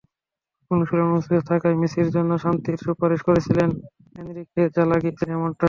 অনুশীলনে অনুপস্থিত থাকায় মেসির জন্য শাস্তির সুপারিশ করেছিলেন এনরিকে, জানা গিয়েছিল এমনটাই।